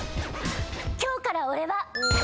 今日から俺は‼。